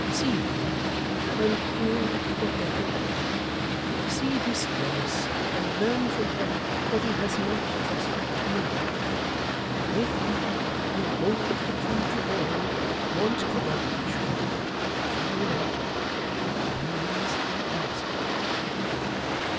See them, and hear what they can add. See this Dennis, and learn from him what he has not trusted to me. If you, who hold the clue to all, want corroboration (which you do not), the means are easy.